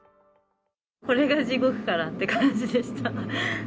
これが地獄かなって感じでした。